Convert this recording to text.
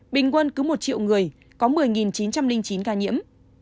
bình quân cứ một triệu người có một mươi chín trăm linh chín ca nhiễm